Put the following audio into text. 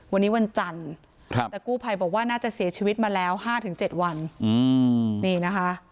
วันนี้วันจันทร์แต่กู้ภัยบอกว่าน่าจะเสียชีวิตมาแล้ว๕๗วันนี่นะคะ